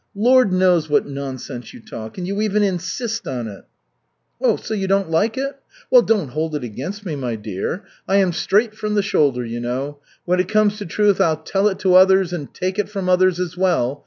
Lord knows what nonsense you talk. And you even insist on it." "So you don't like it? Well, don't hold it against me, my dear. I am straight from the shoulder, you know. When it comes to truth, I'll tell it to others and take it from others as well.